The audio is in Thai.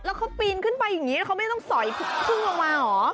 แล้วเขาปีนขึ้นไปอย่างนี้เขาไม่ต้องสอยพึ่งลงมาเหรอ